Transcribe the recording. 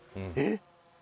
えっ！